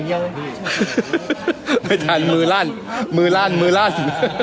ด้องนั่งมือลั่นมือลั่นมือลั่น